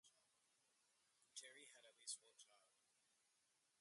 Cherry had at least one child.